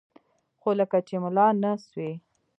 خو لکه چې ملا نه سوې.